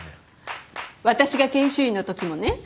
私が研修医のときもね